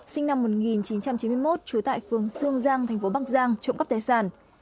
sinh năm một nghìn chín trăm chín mươi một trú tại phương sương giang tp bắc giang trộm cắp tài sản